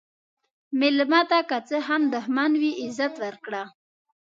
مېلمه ته که څه هم دښمن وي، عزت ورکړه.